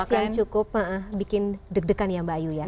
yang cukup bikin deg degan ya mbak ayu ya